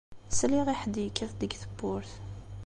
Sliɣ i ḥedd yekkat-d deg tewwurt.